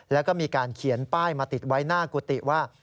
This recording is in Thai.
แล้วก็มีการเขียนป้ายมาติดไว้หน้ากุฏิว่า